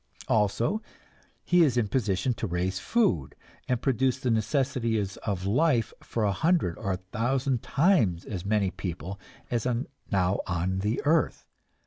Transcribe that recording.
Also he is in position to raise food and produce the necessities of life for a hundred or thousand times as many people as are now on the earth.